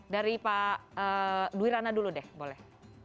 dari pak duwirana dulu deh boleh